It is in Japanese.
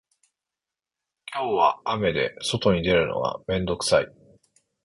今日は雨で外に出るのが面倒くさい